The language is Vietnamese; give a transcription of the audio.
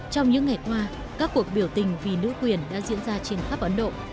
trong những ngày qua các cuộc biểu tình vì nữ quyền đã diễn ra trên khắp ấn độ